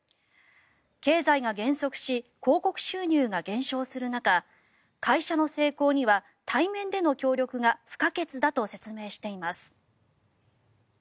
経済が減速し広告収入が減少する中会社の成功には対面での協力が不可欠だと説明しています。